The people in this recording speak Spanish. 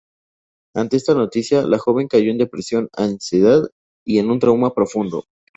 Ante esta noticia, la joven cayó en depresión, ansiedad y en un trauma profundo.